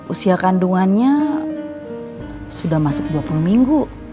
usia kandungannya sudah masuk dua puluh minggu